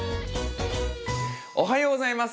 おはようございます。